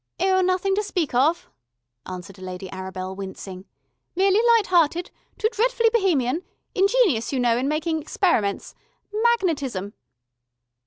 "Oh, nothing to speak of," answered Lady Arabel, wincing. "Merely lighthearted ... too dretfully Bohemian ... ingenious, you know, in making experiments ... magnetism...."